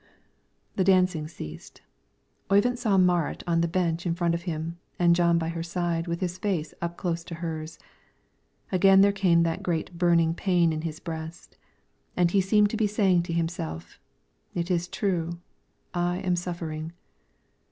The dancing ceased. Oyvind saw Marit on the bench in front of him, and Jon by her side with his face close up to hers; again there came that great burning pain in his breast, and he seemed to be saying to himself: "It is true, I am suffering."